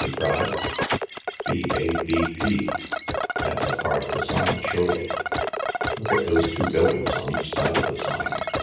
he cried. " 'BABP P That's a part of the sign, surely. Look at those two buildings on each side of the sign.